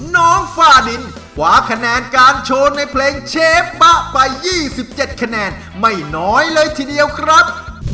ฟ้าดินขวาคะแนนการโชว์ในเพลงเชฟปะไป๒๗คะแนนไม่น้อยเลยทีเดียวครับ